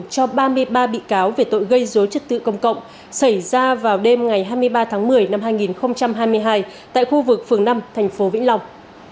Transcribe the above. cho ba mươi ba bị cáo về tội gây dối trật tự công cộng xảy ra vào đêm ngày hai mươi ba tháng một mươi năm hai nghìn hai mươi hai tại khu vực phường năm thành phố vĩnh long